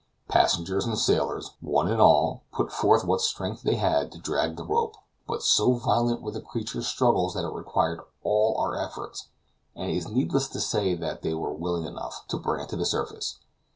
Passengers and sailors, one and all, put forth what strength they had to drag the rope, but so violent were the creature's struggles that it required all our efforts (and it is needless to say they were willing enough) to bring it to the surface.